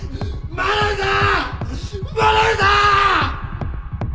真鍋さん！